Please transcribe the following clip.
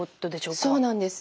そうなんです。